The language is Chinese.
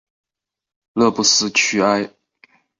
勒布斯屈埃。